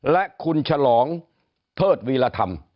และคุณฉลองเทิดวีรธรรม